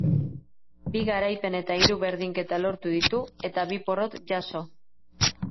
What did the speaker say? Bi garaipen eta hiru berdinketa lortu ditu, eta bi porrot jaso.